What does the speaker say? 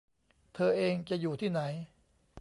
เธอเองจะอยู่ที่ไหน